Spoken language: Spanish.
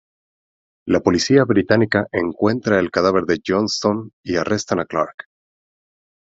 La policía británica encuentra el cadáver de Johnstone y arrestan a Clark.